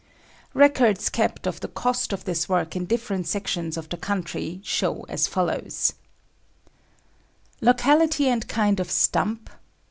Records kept of the cost of this work in different sections of the country show as follows: Locality and Kind of Stump.